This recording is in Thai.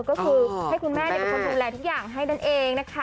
ก็คือให้คุณแม่ด้วยกับคนแทนแรงทุกอย่างให้นั่นเองนะคะ